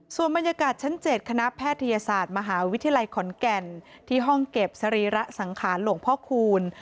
ส่วนบรรยากาศชั้น๗คณะแพทยศาสตร์มหาวิทยาลัยขอนแก่นที่ห้องเก็บสรีระสังขารหลวงพ่อคูณ